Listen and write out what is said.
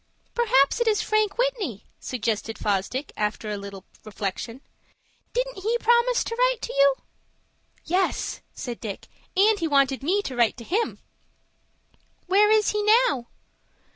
"Perhaps it is Frank Whitney," suggested Fosdick, after a little reflection. "Didn't he promise to write to you?" "Yes," said Dick, "and he wanted me to write to him." "Where is he now?"